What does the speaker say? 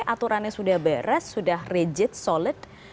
aturannya sudah beres sudah rigid solid